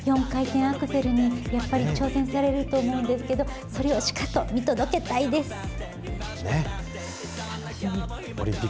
４回転アクセルにやっぱり挑戦されると思うんですけど、それをしかと見届けたいです。